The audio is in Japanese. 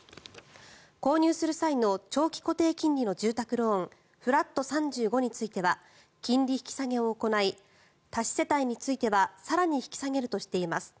購入する際の長期固定金利の住宅ローンフラット３５については金利引き下げを行い多子世帯については更に引き下げるとしています。